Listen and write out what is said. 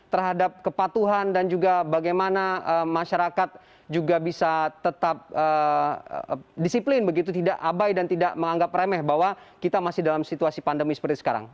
terhadap kepatuhan dan juga bagaimana masyarakat juga bisa tetap disiplin begitu tidak abai dan tidak menganggap remeh bahwa kita masih dalam situasi pandemi seperti sekarang